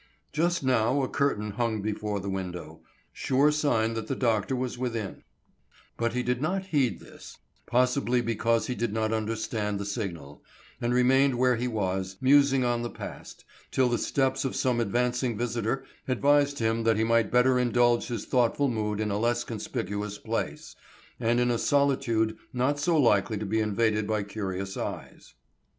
Just now a curtain hung before the window, sure sign that the doctor was within; but he did not heed this, possibly because he did not understand the signal, and remained where he was, musing on the past, till the steps of some advancing visitor advised him that he might better indulge his thoughtful mood in a less conspicuous place, and in a solitude not so likely to be invaded by curious eyes.